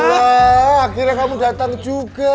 akhirnya kamu datang juga